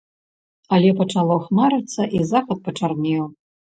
Але пачало хмарыцца, і захад пачарнеў.